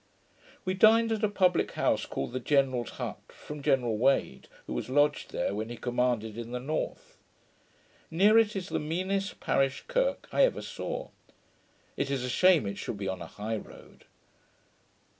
We dined at a publick house called the General's Hut, from General Wade, who was lodged there when he commanded in the North. Near it is the meanest parish kirk I ever saw. It is a shame it should be on a high road.